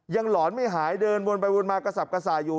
หลอนไม่หายเดินวนไปวนมากระสับกระส่ายอยู่